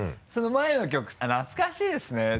その前の曲「懐かしいですね」